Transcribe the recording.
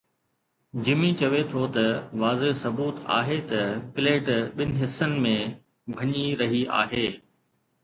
جمي چوي ٿو ته واضح ثبوت آهي ته پليٽ ٻن حصن ۾ ڀڃي رهي آهي.